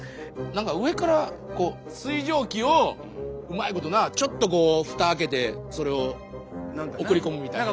何か上から水蒸気をうまいことなちょっとこうふた開けてそれを送り込むみたいな。